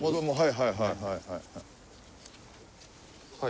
はいはいはい。